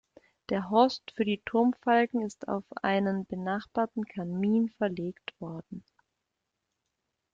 Der Horst für die Turmfalken ist auf einen benachbarten Kamin verlegt worden.